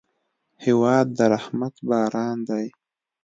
هېواد د رحمت باران دی.